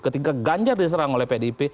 ketika ganjar diserang oleh pdip